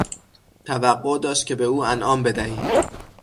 توقع داشت که به او انعام بدهی.